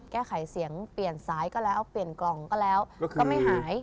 แก้ไขเสียงเปลี่ยนซ้ายก็แล้วเปลี่ยนกล่องก็แล้วก็ไม่หาย